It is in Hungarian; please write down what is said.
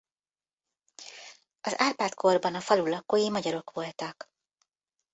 Az Árpád korban a falu lakói magyarok voltak.